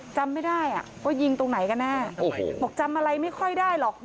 จำไม่ได้ว่ายิงตรงไหนกันแน่โอ้โหบอกจำอะไรไม่ค่อยได้หรอก